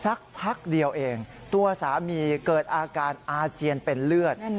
สักพักเดียวเองตัวสามีเกิดอาการอาเจียนเป็นเลือด